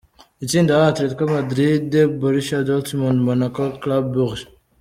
Itsinda A: Atletico Madrid, Borussia Dortmund, Monaco, Club Brugge.